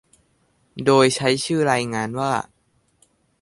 โดยใช้ชื่อรายงานว่า